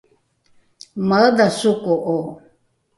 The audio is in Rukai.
omaedha soko’o?